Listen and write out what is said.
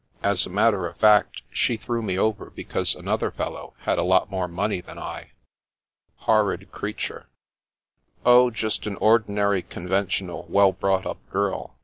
As a matter of fact, she threw me over because another fellow had a lot more money than I." 158 The Path of the Moon 159 " Horrid creature." "Oh, just an ordinary, conventional, well brought up girl.